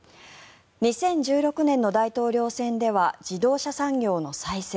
２０１６年の大統領選では自動車産業の再生